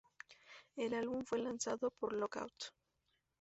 El álbum fue lanzado por Lookout!